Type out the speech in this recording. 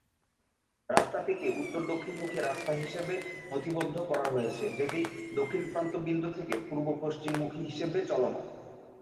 রাস্তাটিকে উত্তর-দক্ষিণ মুখী রাস্তা হিসেবে নথিবদ্ধ করা হয়েছে, যেটি দক্ষিণ প্রান্ত বিন্দু থেকে পূর্ব-পশ্চিম মুখী হিসেবে চলমান।